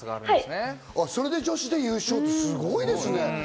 それで女子で優勝はすごいですね。